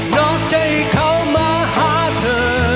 ดอกใจเขามาหาเธอ